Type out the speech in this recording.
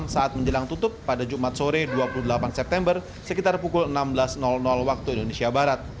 dua puluh delapan september sekitar pukul enam belas waktu indonesia barat